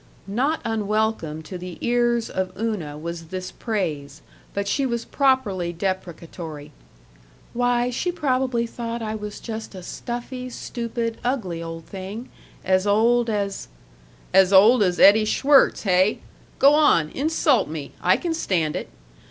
Not unwelcome to the ears of Una was this praise, but she was properly deprecatory: "Why, she probably thought I was just a stuffy, stupid, ugly old thing, as old as " "As old as Eddie Schwirtz, heh? Go on, insult me! I can stand it!